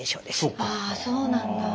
ああそうなんだ。